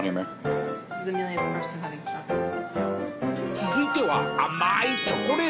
続いては甘いチョコレート。